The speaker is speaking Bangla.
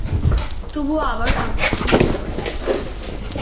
তবুও আবার খাবো, ধন্যবাদ।